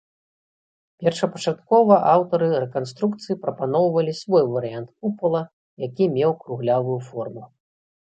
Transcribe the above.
Першапачаткова аўтары рэканструкцыі прапаноўвалі свой варыянт купала, які меў круглявую форму.